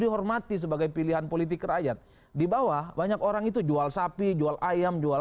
dihormati sebagai pilihan politik rakyat di bawah banyak orang itu jual sapi jual ayam jual